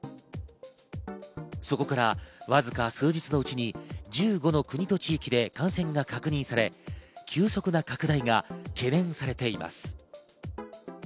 そこからわずか数日のうちに１５の国と地域で感染が確認され、急速な拡大が懸念されています。